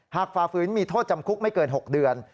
ฝ่าฝืนมีโทษจำคุกไม่เกิน๖เดือน